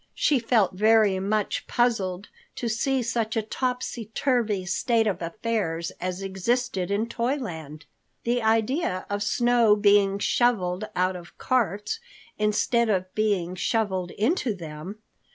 She felt very much puzzled to see such a topsy turvy state of affairs as existed in Toyland. The idea of snow being shoveled out of carts instead of being shoveled into them!